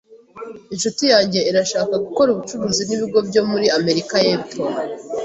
Inshuti yanjye irashaka gukora ubucuruzi nibigo byo muri Amerika yepfo.